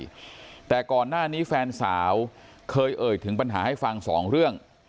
แต่ก่อนหน้านี้แฟนสาวเคยเอ่ยถึงปัญหาให้ฟังสองเรื่อง